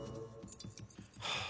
はあ。